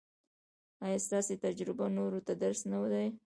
ایا ستاسو تجربه نورو ته درس نه دی؟